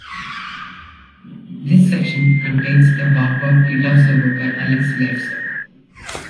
This section contains a wah-wah guitar solo by Alex Lifeson.